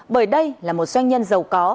bởi đây là một doanh nhân giàu có